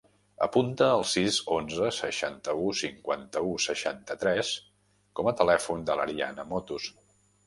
Apunta el sis, onze, seixanta-u, cinquanta-u, seixanta-tres com a telèfon de l'Ariana Motos.